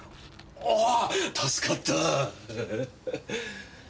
お助かった。